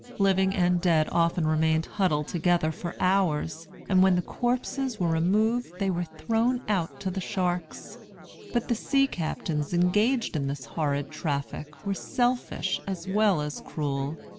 Living and dead often remained huddled together for hours, and when the corpses were removed they were thrown out to the sharks. But the sea captains engaged in this horrid traffic were selfish as well as cruel.